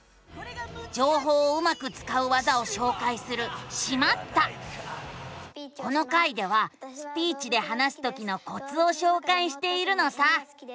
じょうほうをうまくつかう技をしょうかいするこの回ではスピーチで話すときのコツをしょうかいしているのさ。